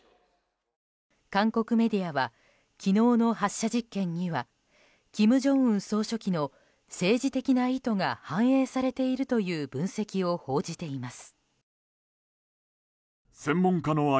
韓国メディアは昨日の発射実験には金正恩総書記の政治的な意図が反映されているという分析を報じています。